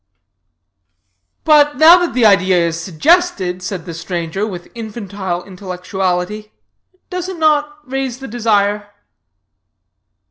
"But now that the idea is suggested," said the stranger, with infantile intellectuality, "does it not raise the desire?"